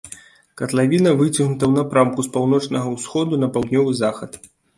Катлавіна выцягнутая ў напрамку з паўночнага ўсходу на паўднёвы захад.